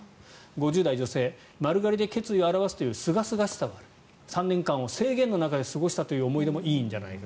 ５０代女性丸刈りで決意を表すというすがすがしさ３年間を制限の中で過ごしたという思い出もいいんじゃないか。